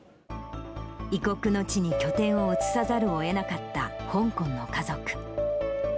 異国の地に拠点を移さざるをえなかった香港の家族。